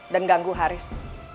dan ganggu haris